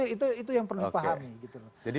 itu yang perlu dipahami